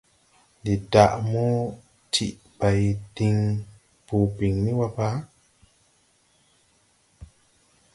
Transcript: Ndi daʼ mo tiʼ bay diŋ boo biŋni wa pa?